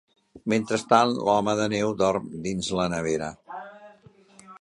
Mentrestant, l'home de neu dorm dins la nevera.